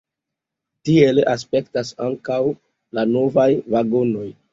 Tiel aspektas ankaŭ la novaj vagonoj.